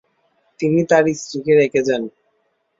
তিনি তার স্ত্রীকে রেখে যান।